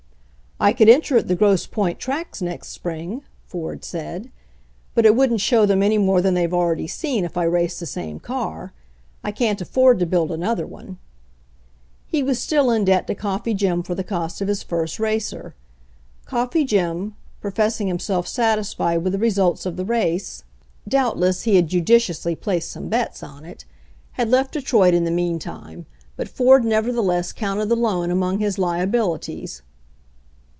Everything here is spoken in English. ' "I could enter at the Grosse Point tracks next spring," Ford said. "But it wouldn't show them any more than they've already sefcn, if I race the same car. I can't afford to build another one." He was still in debt to Coffee Jim for the cost of his first racer. Coffee Jim, professing him self satisfied with the results of the race — doubt ii4 HENRY FORD'S OWN STORY less he had judiciously placed some bets on it — had left Detroit in the meantime, but Ford nev ertheless counted the loan among his liabilities.